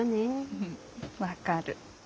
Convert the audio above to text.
うん分かる。